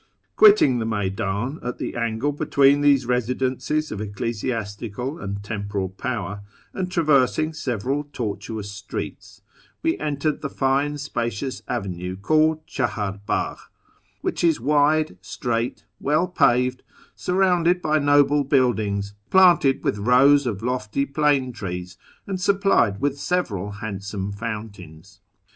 Quitting the Meydan at the angle between these residences of ecclesiastical and temporal power, and traversing several tortuous streets, we entered the fine spacious avenue called Chalidr Bdgli, which is wide, straight, well paved, surrounded by noble buildings, planted with rows of lofty plane trees, and supplied with several handsome fountains.